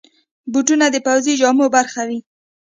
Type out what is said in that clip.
بوټونه د پوځي جامو برخه وي.